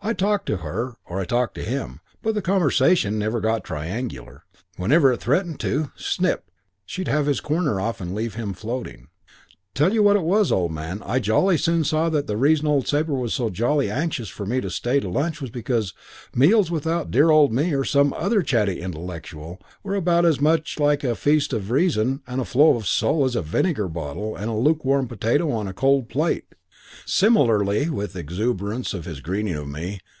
I talked to her, or I talked to him, but the conversation never got triangular. Whenever it threatened to, snip! she'd have his corner off and leave him floating. Tell you what it was, old man, I jolly soon saw that the reason old Sabre was so jolly anxious for me to stay to lunch was because meals without dear old me or some other chatty intellectual were about as much like a feast of reason and a flow of soul as a vinegar bottle and a lukewarm potato on a cold plate. Similarly with the exuberance of his greeting of me.